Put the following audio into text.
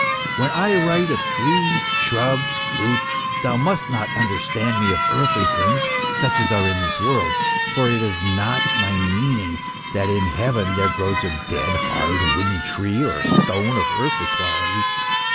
" When I write of trees, shrubs and fruits, thou must not understand me of earthly things, such as are in this world; for it is not my meaning, that in heaven there grows a dead, hard, wooden tree, or a stone of earthly qualities.